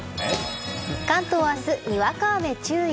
関東は明日、にわか雨注意。